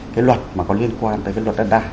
cái luật mà có liên quan tới cái luật đất đai